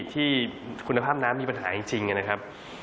ที่คุณภาพน้ำมีปัญหาจริงนะครับ